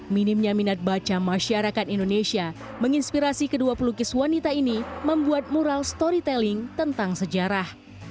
minimnya minat baca masyarakat indonesia menginspirasi kedua pelukis wanita ini membuat mural storytelling tentang sejarah